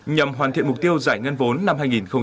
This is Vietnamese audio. nhằm hoàn thiện mục tiêu giải ngân vốn năm hai nghìn hai mươi